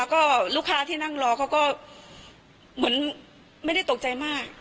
แล้วก็ลูกค้าที่นั่งรอเขาก็เหมือนไม่ได้ตกใจมาก